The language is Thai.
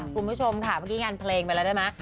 คุณผู้ชมค่ะเมื่อกี้งานเพลงไปแล้วได้ไหม